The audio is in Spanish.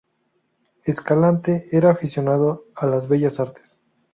Escalante era aficionado a las Bellas Artes.